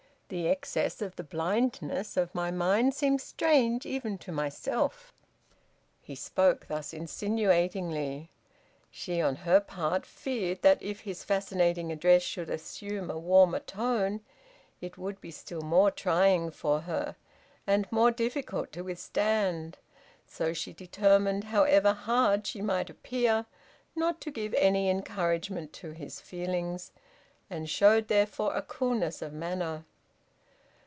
The excess of the blindness of my mind seems strange even to myself." He spoke thus insinuatingly. She, on her part, feared that if his fascinating address should assume a warmer tone it would be still more trying for her and more difficult to withstand, so she determined, however hard she might appear, not to give any encouragement to his feelings, and showed therefore a coolness of manner.